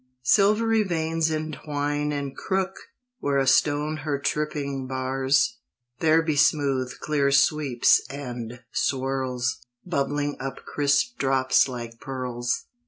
Silvery veins entwine and crook Where a stone her tripping bars; There be smooth, clear sweeps, and swirls Bubbling up crisp drops like pearls.